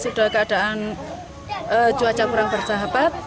sudah keadaan cuaca kurang bersahabat